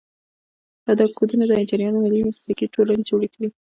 دا کودونه د انجینرانو ملي مسلکي ټولنې جوړ کړي.